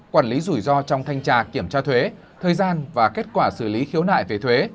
quản lý rủi ro trong thanh tra kiểm tra thuế thời gian và kết quả xử lý khiếu nại về thuế